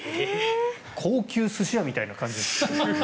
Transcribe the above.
高級寿司屋みたいな感じです。